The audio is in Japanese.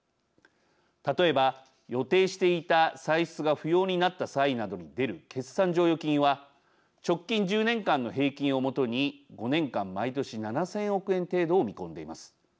例えば予定していた歳出が不要になった際などに出る決算剰余金は直近１０年間の平均を基に５年間毎年７，０００億円程度を見込んでいます。